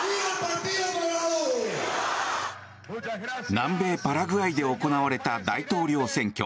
南米パラグアイで行われた大統領選挙。